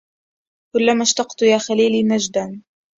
كلما اشتقت يا خليلي نجدا